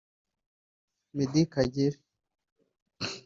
Meddie Kagere